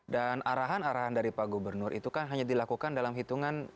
dan arahan arahan dari pak gubernur itu kan hanya dilakukan dalam hitungan